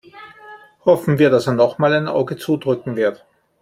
Hoffen wir, dass er nochmal ein Auge zudrücken wird.